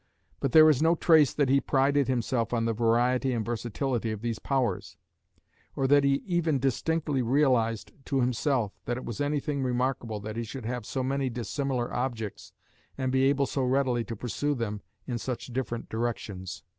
But there is no trace that he prided himself on the variety and versatility of these powers, or that he even distinctly realized to himself that it was anything remarkable that he should have so many dissimilar objects and be able so readily to pursue them in such different directions.